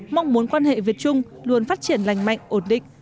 mong muốn quan hệ việt trung luôn phát triển lành mạnh ổn định